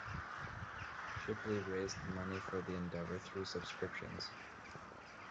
Shipley raised the money for the endeavour through subscriptions.